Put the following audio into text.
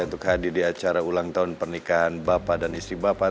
untuk hadir di acara ulang tahun pernikahan bapak dan istri bapak